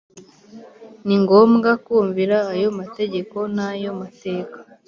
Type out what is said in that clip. Ni ngombwa kumvira ayo mategeko n’ayo mateka